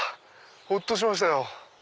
ほっとしましたよ。